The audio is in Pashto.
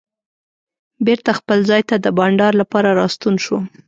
بېرته خپل ځای ته د بانډار لپاره راستون شوم.